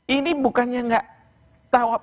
ini bukannya nggak tahu